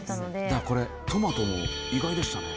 だからこれトマトも意外でしたね。